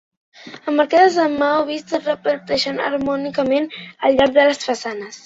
Emmarcades amb maó vist, es repeteixen harmònicament al llarg de les façanes.